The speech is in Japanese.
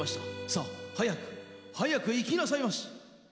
さァ、早く早く行きなさいまし。